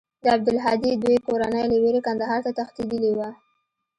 د عبدالهادي دوى کورنۍ له وېرې کندهار ته تښتېدلې وه.